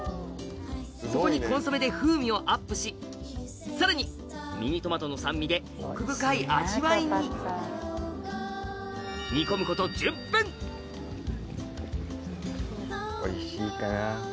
ここにコンソメで風味をアップしさらにミニトマトの酸味で奥深い味わいにおいしいかな？